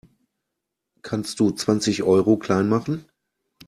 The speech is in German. Kannst du zwanzig Euro klein machen?